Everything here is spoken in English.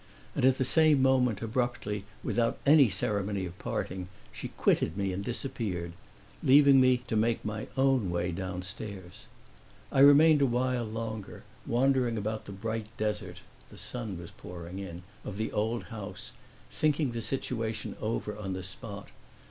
And at the same moment, abruptly, without any ceremony of parting, she quitted me and disappeared, leaving me to make my own way downstairs. I remained a while longer, wandering about the bright desert (the sun was pouring in) of the old house, thinking the situation over on the spot.